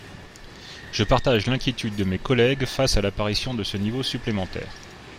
Je partage l’inquiétude de mes collègues face à l’apparition de ce niveau supplémentaire.